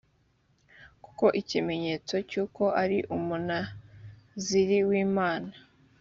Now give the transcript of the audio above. kuko ikimenyetso cy uko ari umunaziri w imana